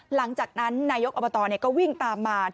หลังจากนั้นนายกอบตก็วิ่งตามมา